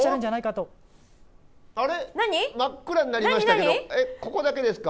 なになに⁉真っ暗になりましたけどここだけですか？